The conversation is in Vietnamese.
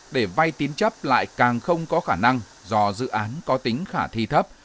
để vay tín chấp lại càng không có khả năng do dự án có tính khả thi thấp